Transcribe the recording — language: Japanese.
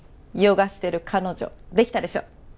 ヨガしてる彼女できたでしょ？